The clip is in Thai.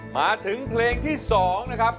มาถึงเพลงที่๒นะครับ